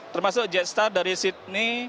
termasuk jetstar dari sydney